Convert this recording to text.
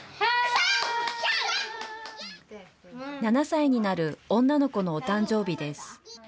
７歳になる女の子のお誕生日です。